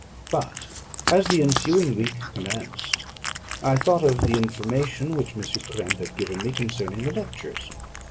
But as the ensuing week commenced, I thought of the information which M. Krempe had given me concerning the lectures.